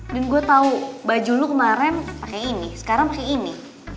dan gue tau baju lo kemaren pake ini sekarang pake ini